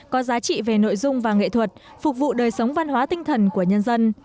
có giá trị về nội dung và nghệ thuật phục vụ đời sống văn hóa tinh thần của nhân dân